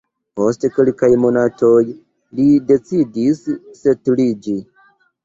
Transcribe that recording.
Post kelkaj monatoj li decidis setliĝi.